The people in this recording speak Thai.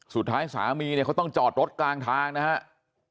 สุดท้ายสามีเนี่ยเขาต้องจอดรถกลางทางนะครับ